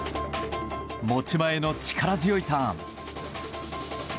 持ち前の力強いターン。